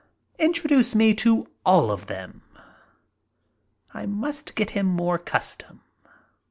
"Introduce me to all of them." I must get him more custom.